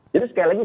jadi sekali lagi